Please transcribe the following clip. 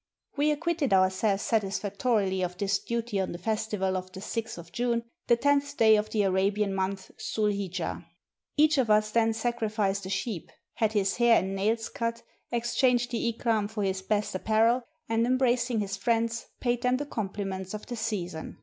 We acquitted ourselves satis factorily of this duty on the festival of the 6th of June, the loth day of the Arabian month Zu'lhijah. Each of us then sacrificed a sheep, had his hair and nails cut, exchanged the ikrdm for his best apparel, and embracing his friends, paid them the compliments of the season.